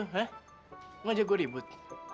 lo ngajak gue ribut